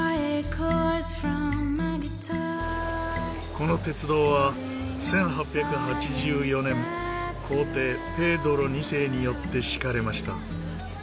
この鉄道は１８８４年皇帝ペードロ２世によって敷かれました。